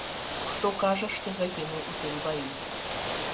Хто кажа, што загінуў у тым баі.